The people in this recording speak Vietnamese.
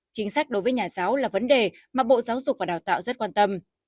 chính sách đối với nhà giáo là vấn đề mà bộ giáo dục và đào tạo rất quan tâm